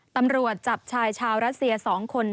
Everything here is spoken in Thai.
ตำรวจจับชายชาวรัสเซีย๒คน